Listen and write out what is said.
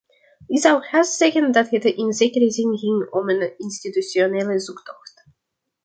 Ik zou haast zeggen dat het in zekere zin ging om een institutionele zoektocht.